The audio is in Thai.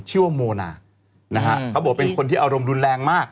โมนานะฮะเขาบอกเป็นคนที่อารมณ์รุนแรงมาก